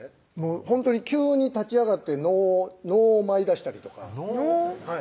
ほんとに急に立ち上がって能を舞いだしたりとか能？